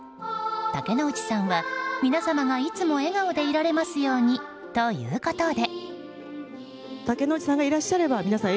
竹野内さんは「皆様がいつも笑顔でいられますように」ということで。